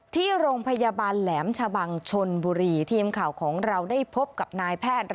ที่โรงพยาบาลแหลมชะบังชนบุรีทีมข่าวของเราได้พบกับนายแพทย์